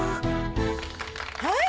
はい。